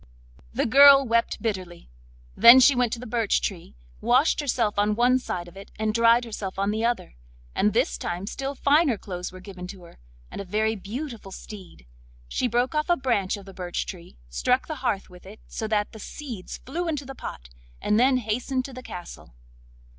The girl wept bitterly; then she went to the birch tree, washed herself on one side of it and dried herself on the other; and this time still finer clothes were given to her, and a very beautiful steed. She broke off a branch of the birch tree, struck the hearth with it, so that the seeds flew into the pot, and then hastened to the castle.